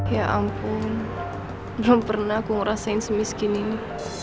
ya ampun belum pernah aku ngerasain semiskin ini